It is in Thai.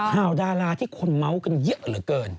ดาราที่คนเมาส์กันเยอะเหลือเกิน